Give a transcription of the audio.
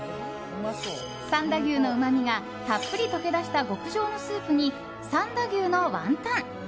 三田牛のうまみがたっぷり溶け出した極上のスープに三田牛のワンタン。